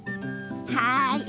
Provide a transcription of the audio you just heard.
はい。